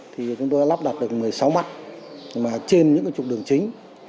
thì chúng tôi đã lắp đặt được một mươi sáu mặt mà trên những trục đường chính